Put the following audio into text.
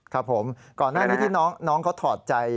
ครับผมก่อนหน้านี้ที่น้องเขาถอดใจ